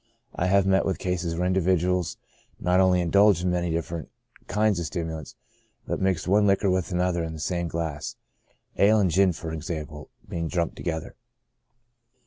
I have met with cases where individuals not only indulged in many dif ferent kinds of stimulants, but mixed one liquor with an other in the same glass ; ale and gin, for example, being drunk together.